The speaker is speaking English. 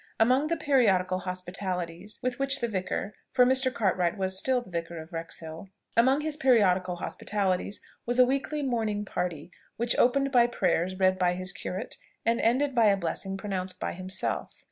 Among the periodical hospitalities with which the vicar, for Mr. Cartwright was still Vicar of Wrexhill, among his periodical hospitalities was a weekly morning party, which opened by prayers read by his curate, and ended by a blessing pronounced by himself.